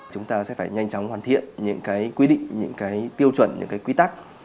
chúng ta sẽ phải nhanh chóng hoàn thiện những quy định những tiêu chuẩn những quy tắc